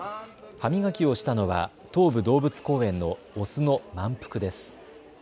歯磨きをしたのは東武動物公園のオスのまんぷくです。